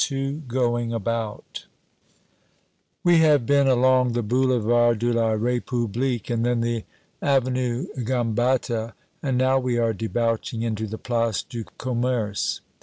XXII Going About WE have been along the Boulevard de la Republique and then the Avenue Gambetta, and now we are debouching into the Place du Commerce.